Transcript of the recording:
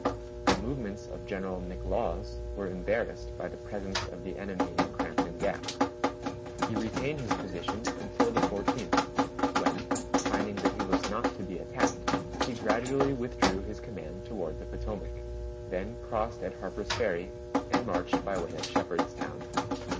The movements of General McLaws were embarrassed by the presence of the enemy in Crampton Gap. He retained his position until the 14th, when, finding that he was not to be attacked, he gradually withdrew his command toward the Potomac, then crossed at Harper's Ferry, and marched by way of Shepardstown.